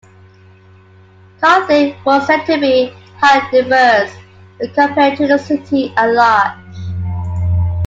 Carthay was said to be "highly diverse" when compared to the city at large.